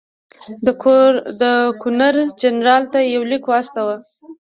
ده ګورنرجنرال ته یو لیک واستاوه.